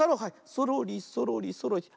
そろりそろりそろりって。